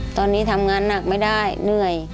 ตอนนี้ทำงานหนักไม่ได้เหนื่อย